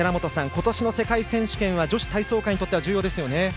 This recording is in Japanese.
今年の世界選手権は女子体操界にとっては重要ですよね。